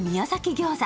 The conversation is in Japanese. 餃子